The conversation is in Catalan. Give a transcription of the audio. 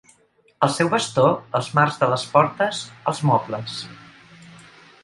El seu bastó, els marcs de les portes, els mobles.